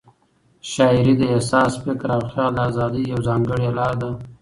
شاعري د احساس، فکر او خیال د آزادۍ یوه ځانګړې لار ده.